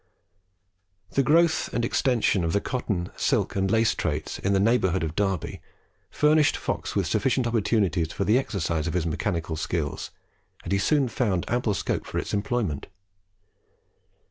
The growth and extension of the cotton, silk, and lace trades, in the neighbourhood of Derby, furnished Fox with sufficient opportunities for the exercise of his mechanical skill; and he soon found ample scope for its employment.